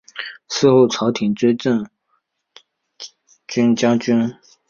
事后朝廷追赠镇军将军。